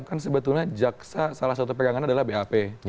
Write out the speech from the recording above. kan sebetulnya jaksa salah satu pegangan adalah bap